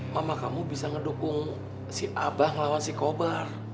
mama kamu bisa ngedukung si abah ngelawan si kobar